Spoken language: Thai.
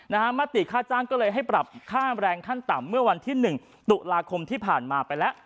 มติค่าจ้างก็เลยให้ปรับค่าแรงขั้นต่ำเมื่อวันที่หนึ่งตุลาคมที่ผ่านมาไปแล้ว